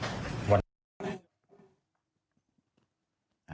พี่หุยรู้มั้ยเขาทำอะไรอยู่ในห้องนอนในมือถื